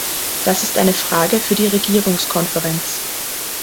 Das ist eine Frage für die Regierungskonferenz.